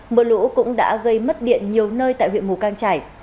mưa lũ cũng đã gây mất điện nhiều nơi tại huyện mù căng trải